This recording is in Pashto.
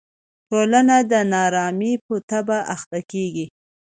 ټولنه د نا ارامۍ په تبه اخته کېږي.